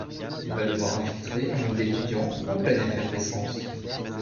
Il va devoir infiltrer un monde étudiant en pleine effervescence.